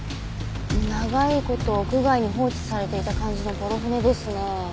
長い事屋外に放置されていた感じのボロ舟ですね。